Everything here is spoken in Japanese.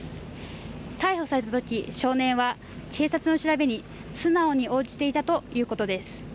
逮捕されたとき少年は警察の調べに素直に応じていたということです